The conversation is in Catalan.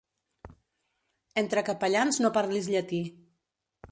Entre capellans no parlis llatí.